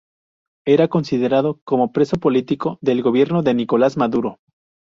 Era considerado como preso político del gobierno de Nicolás Maduro.